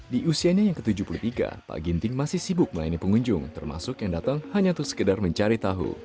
di usianya yang ke tujuh puluh tiga pak ginting masih sibuk melayani pengunjung termasuk yang datang hanya untuk sekedar mencari tahu